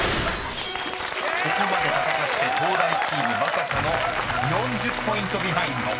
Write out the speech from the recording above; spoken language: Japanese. ［ここまで戦って東大チームまさかの４０ポイントビハインド］